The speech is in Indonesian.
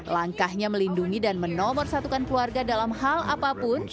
langkahnya melindungi dan menomorsatukan keluarga dalam hal apapun